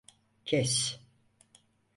Kes.